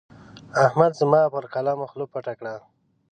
احمد زما پر قلم خوله پټه کړه.